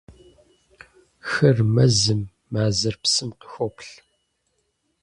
Хыр мэзым, мазэр псым къыхоплъ.